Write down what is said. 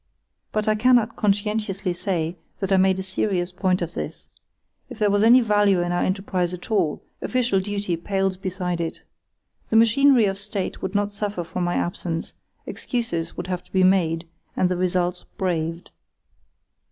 But I cannot conscientiously say that I made a serious point of this. If there was any value in our enterprise at all, official duty pales beside it. The machinery of State would not suffer from my absence; excuses would have to be made, and the results braved.